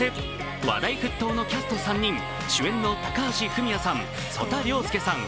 話題沸騰のキャスト３人、主演の高橋文哉さん、曽田陵介さん